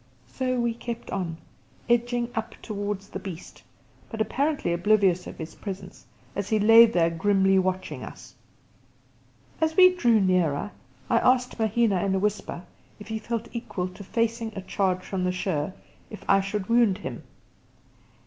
So we kept on, edging up towards the beast, but apparently oblivious of his presence, as he lay there grimly watching us. As we drew nearer, I asked Mahina in a whisper if he felt equal to facing a charge from the sher if I should wound him.